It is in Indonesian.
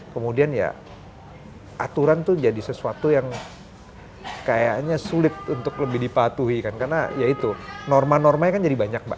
kemudian ya aturan tuh jadi sesuatu yang kayaknya sulit untuk lebih dipatuhi kan karena ya itu norma normanya kan jadi banyak mbak